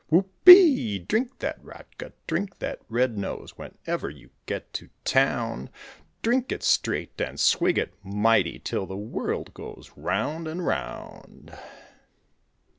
Whoop ee! drink that rot gut, drink that red nose, Whenever you get to town; Drink it straight and swig it mighty, Till the world goes round and round!